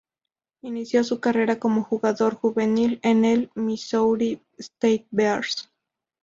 Inicio su carrera como jugador juvenil en el Missouri State Bears.